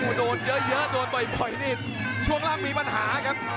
โดนเยอะโดนบ่อยนี่ช่วงล่างมีปัญหาครับ